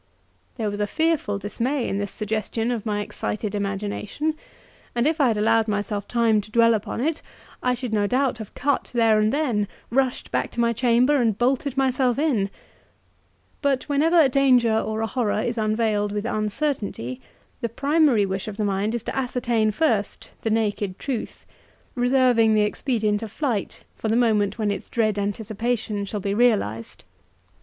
There was a fearful dismay in this suggestion of my excited imagination, and if I had allowed myself time to dwell upon it, I should no doubt have cut there and then, rushed back to my chamber, and bolted myself in; but whenever a danger or a horror is veiled with uncertainty, the primary wish of the mind is to ascertain first the naked truth, reserving the expedient of flight for the moment when its dread anticipation shall be realized.